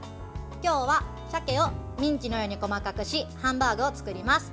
今日は、さけをミンチのように細かくしハンバーグを作ります。